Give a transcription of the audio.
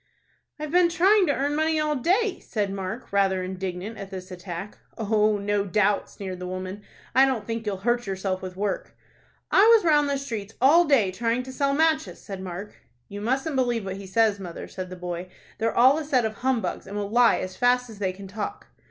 "I've been trying to earn money all day," said Mark, rather indignant at this attack. "Oh no doubt," sneered the woman. "I don't think you'll hurt yourself with work." "I was round the streets all day trying to sell matches," said Mark. "You mustn't believe what he says, mother," said the boy. "They're all a set of humbugs, and will lie as fast as they can talk."